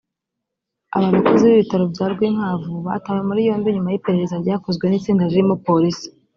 Aba bakozi b’ibitaro bya Rwinkwavu batawe muri yombi nyuma y’iperereza ryakozwe n’itsinda ririmo polisi